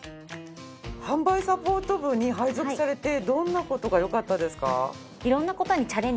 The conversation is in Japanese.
販売サポート部に配属されてどんな事がよかったですか？